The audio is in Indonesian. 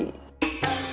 gak ada kopi